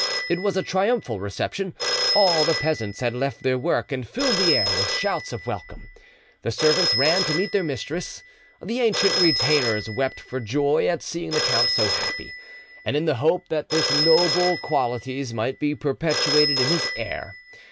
It was a triumphal reception: all the peasants had left their work, and filled the air with shouts of welcome; the servants ran to meet their mistress; the ancient retainers wept for joy at seeing the count so happy and in the hope that his noble qualities might be perpetuated in his heir.